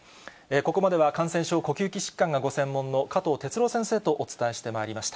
ここまでは感染症、呼吸器疾患がご専門の加藤哲朗先生とお伝えしてまいりました。